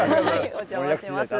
お邪魔します。